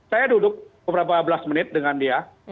saya duduk beberapa belas menit dengan dia